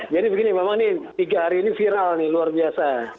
jadi begini memang ini tiga hari ini viral nih luar biasa